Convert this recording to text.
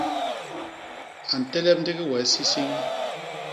A ntelep ndigi wee sisiñ.